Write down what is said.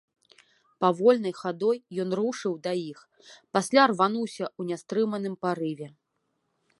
Павольнай хадой ён рушыў да іх, пасля рвануўся ў нястрыманым парыве.